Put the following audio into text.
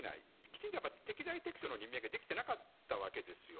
きちんと適材適所の任命ができてなかったわけですよ。